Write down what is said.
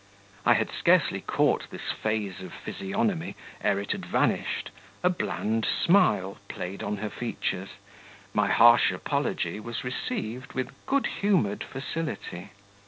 I had scarcely caught this phase of physiognomy ere it had vanished; a bland smile played on her features; my harsh apology was received with good humoured facility.